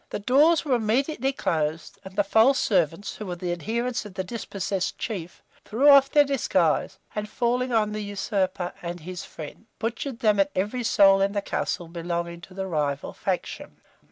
The doors were immediately closed, and the false servants, who were the adherents of the dispossessed chief, threw off their disguise, and falling on the usurper and his friends, butchered them and every soul in the castle belonging to the rival faction.